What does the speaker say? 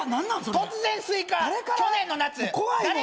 突然スイカ去年の夏誰から？